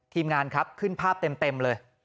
ทีมงานครับขึ้นภาพเต็มเลย